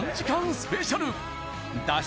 スペシャル脱出